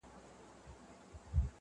هر کور يو غم لري تل,